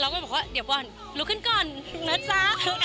ก็บอกว่าเดี๋ยวก่อนลุกขึ้นก่อนนะจ๊ะ